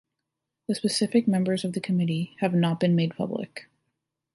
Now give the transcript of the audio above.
The specific members of the committee have not been made public.